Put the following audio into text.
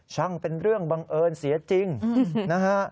เป็นเรื่องบังเอิญเสียจริงนะฮะ